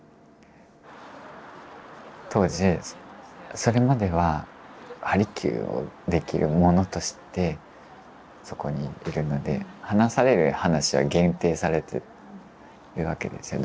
当時それまでは鍼灸をできる者としてそこにいるので話される話は限定されてるわけですよね。